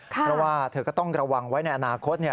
เพราะว่าเธอก็ต้องระวังไว้ในอนาคต